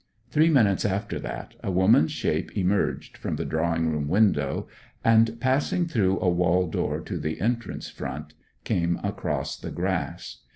Three minutes after that a woman's shape emerged from the drawing room window, and passing through a wall door to the entrance front, came across the grass.